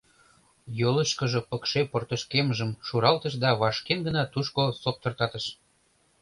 Йолышкыжо пыкше портышкемжым шуралтыш да вашкен гына тушко соптыртатыш.